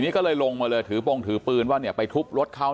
มีกล้วยติดอยู่ใต้ท้องเดี๋ยวพี่ขอบคุณ